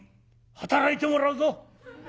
働いてもらうぞ」。